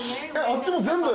あっちも全部？